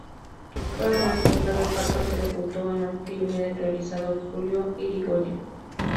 Fue un actor de reparto que debutó en un filme del realizador Julio Irigoyen.